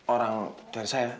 orang dari saya